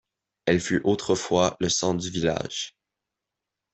Elle fut autrefois le centre du village.